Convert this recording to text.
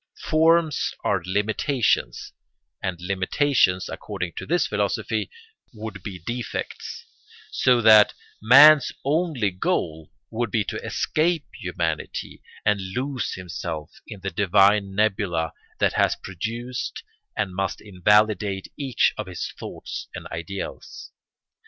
Forms are limitations, and limitations, according to this philosophy, would be defects, so that man's only goal would be to escape humanity and lose himself in the divine nebula that has produced and must invalidate each of his thoughts and ideals.